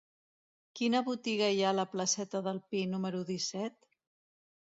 Quina botiga hi ha a la placeta del Pi número disset?